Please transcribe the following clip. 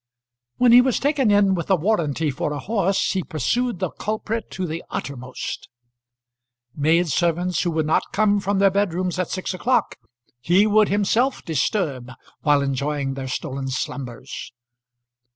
When he was taken in with a warranty for a horse, he pursued the culprit to the uttermost. Maid servants who would not come from their bedrooms at six o'clock, he would himself disturb while enjoying their stolen slumbers.